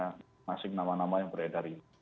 masing masing nama nama yang beredar ini